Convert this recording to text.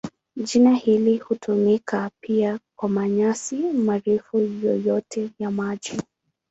Jina hili hutumika pia kwa manyasi marefu yoyote ya maji.